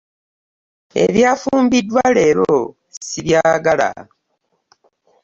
Ebyafumbiddwa leero sibyagala.